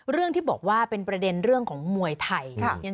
เรื่องที่บอกว่าเป็นประเด็นเรื่องของมวยไทย